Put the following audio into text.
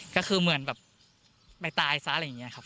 ก็คือเหมือนแบบไปตายซะอะไรอย่างนี้ครับ